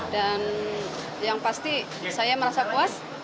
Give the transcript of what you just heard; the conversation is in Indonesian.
dan yang pasti saya merasa puas